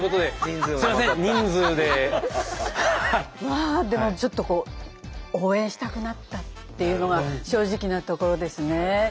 まあでもちょっとこう応援したくなったっていうのが正直なところですね。